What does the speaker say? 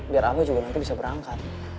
biar aku juga nanti bisa berangkat